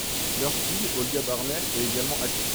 Leur fille Olga Barnet est également actrice.